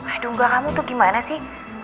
aduh gak kamu tuh gimana sih